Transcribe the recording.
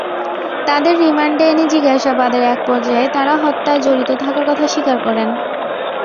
তাঁদের রিমান্ডে এনে জিজ্ঞাসাবাদের একপর্যায়ে তাঁরা হত্যায় জড়িত থাকার কথা স্বীকার করেন।